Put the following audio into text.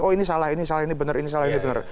oh ini salah ini salah ini benar ini salah ini benar